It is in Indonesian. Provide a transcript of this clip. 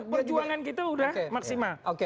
perjuangan kita sudah maksimal